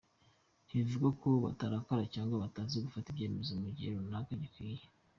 Nti bivuga ko batarakara cyangwa batazi gufata icyemezo mu gihe runaka gikwiriye.